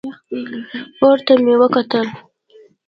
پورته مې وکتل.